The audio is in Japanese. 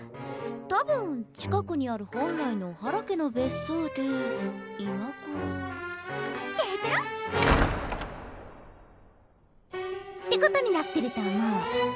多分近くにある本来の小原家の別荘で今頃てへぺろっ。ってことになってると思う。